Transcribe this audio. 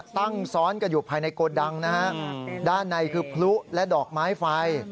ซ้อนกันอยู่ภายในโกดังนะฮะด้านในคือพลุและดอกไม้ไฟ